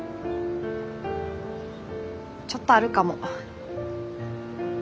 ちょっとあるかも。